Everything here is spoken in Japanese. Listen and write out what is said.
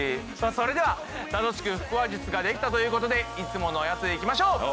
それでは楽しく腹話術ができたということでいつものやついきましょう。